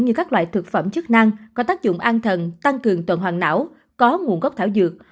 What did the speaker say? như các loại thực phẩm chức năng có tác dụng an thần tăng cường tuần hoàng não có nguồn gốc thảo dược